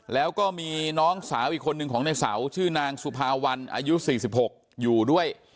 แล้วก็มีน้องสาวอีกคนนึงของในเสาชื่อนางสุภาวันอายุ๔๖อยู่ด้วย